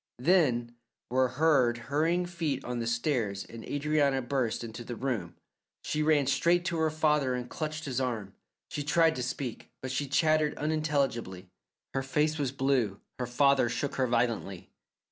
Then were heard hurrying feet on the stairs and Adrianna burst into the room. She ran straight to her father and clutched his arm; she tried to speak, but she chattered unintelligibly; her face was blue. Her father shook her violently.